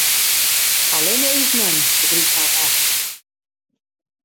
Allinne ús mem begrypt my echt.